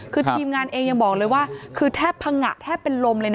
คือทีมงานเองยังบอกเลยว่าคือแทบพังงะแทบเป็นลมเลยนะ